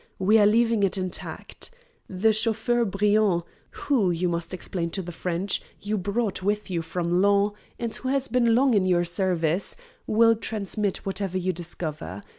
We are leaving it intact. The chauffeur Briand who, you must explain to the French, you brought with you from Laon, and who has been long in your service will transmit whatever you discover.